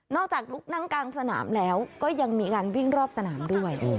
จากลุกนั่งกลางสนามแล้วก็ยังมีการวิ่งรอบสนามด้วย